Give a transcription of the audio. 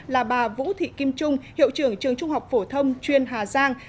là bà vũ thị kim trung hiệu trưởng trường trung học phổ thông chuyên hà giang